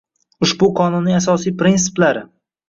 Ushbu Qonunning asosiy prinsiplari